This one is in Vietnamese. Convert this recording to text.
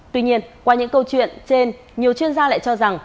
tuy nhiên qua những câu chuyện trên nhiều chuyên gia lại cho rằng